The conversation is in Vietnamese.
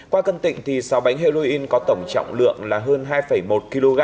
qua cân tịnh sáu bánh heroin có tổng trọng lượng là hơn hai một kg